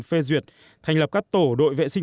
phê duyệt thành lập các tổ đội vệ sinh